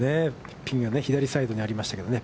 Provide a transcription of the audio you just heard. ピンが左サイドにありましたけどね。